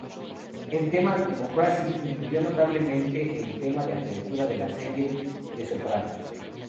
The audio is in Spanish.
El tema "Democracy" influyó notablemente el tema de apertura de la serie "The Sopranos".